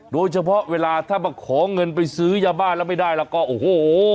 เวลาถ้ามาขอเงินไปซื้อยาบ้าแล้วไม่ได้แล้วก็โอ้โห